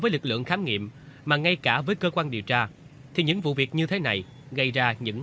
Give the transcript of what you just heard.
với lực lượng khám nghiệm mà ngay cả với cơ quan điều tra thì những vụ việc như thế này gây ra những